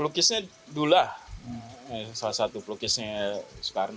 lukisnya dula salah satu pelukisnya sekarang